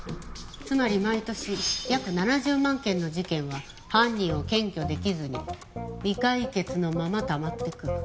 つまり毎年約７０万件の事件は犯人を検挙できずに未解決のままたまっていく。